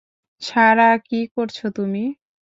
সারা, কি করছো তুমি?